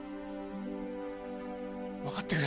分かってくれ